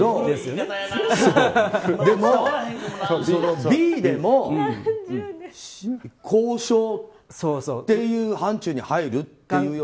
でも、Ｂでも交渉っていう範疇に入るってこと？